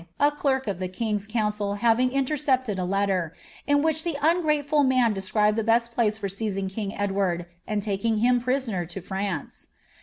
a clerk of the king's council having interecptfd t letter, in which the ungraiefid man described ihe best place for miiof kiiig Edward, and taking him prisoner to France.